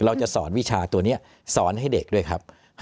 เราจะสอนวิชาตัวนี้สอนให้เด็กด้วยครับ